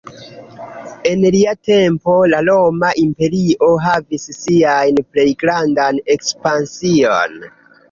En lia tempo la Roma Imperio havis sian plej grandan ekspansion.